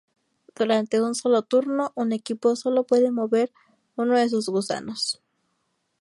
Durante un solo turno, un equipo sólo puede mover uno de sus gusanos.